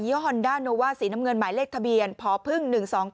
ฮอนดาโนว่าสีน้ำเงินหมายเลขทะเบียนพพ๑๒๙